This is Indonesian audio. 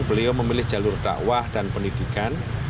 beliau memilih jalur dakwah dan pendidikan